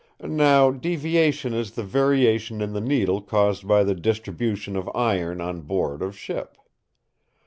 Now Deviation is the variation in the needle caused by the distribution of iron on board of ship.